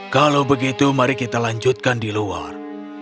kalau begitu mari kita lanjutkan di luar